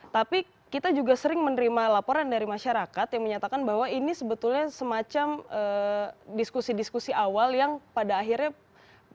tapi kita juga sering menerima laporan dari masyarakat yang menyatakan bahwa ini sebetulnya semacam diskusi diskusi awal yang pada akhirnya